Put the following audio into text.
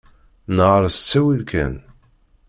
Nheṛ s ttawil kan.